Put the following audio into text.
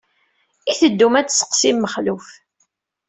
I teddum ad tesseqsim Mexluf?